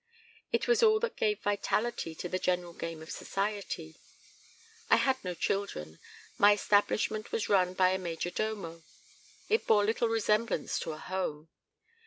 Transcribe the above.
It was all that gave vitality to the general game of society. I had no children; my establishment was run by a major domo; it bore little resemblance to a home.